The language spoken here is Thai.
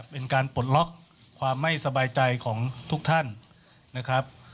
เป็นการปลดล็อกความไม่สบายใจของทุกท่านนะครับ